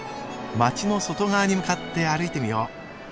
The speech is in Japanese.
街の外側に向かって歩いてみよう。